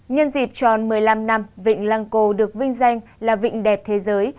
nhân dịp tròn một mươi năm năm vịnh lăng cô được vinh danh là vịnh đẹp thế giới